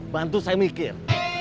bantu saya mikir